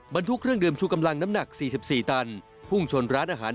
บรรทุกเครื่องดื่มชูกำลังน้ำหนัก๔๔ตันพุ่งชนร้านอาหาร